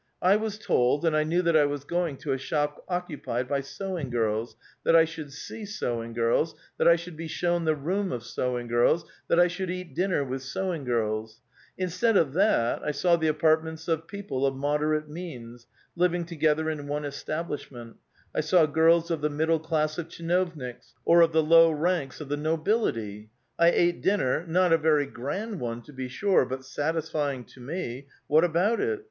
I was told and I knew that I was going to a shop occupied by sewing girls, that I should see sewing girls, that I should be shown the room of sewing girls, that I should cat dinner with sew ing girls ; instead of that I saw the apartments of people of moderate means, living together in one establishment ; 1 saw girls of the middle class of tcliinovniks^ or of the low ranks of the nobility ; I ate dinner, not a very grand one, to bo Fure, but satisfying to me — what about it?